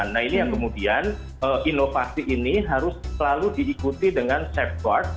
nah ini yang kemudian inovasi ini harus selalu diikuti dengan safeguard